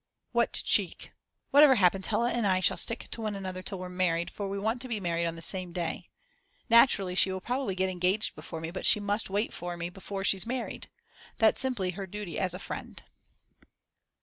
What cheek. Whatever happens Hella and I shall stick to one another till we're married, for we want to be married on the same day. Naturally she will probably get engaged before me but she must wait for me before she's married. That's simply her duty as a friend.